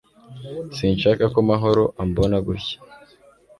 Sinshaka ko Mahoro ambona gutya